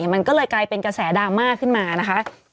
มันก็เลยกลายเป็นกระแสดราม่าขึ้นมานะคะ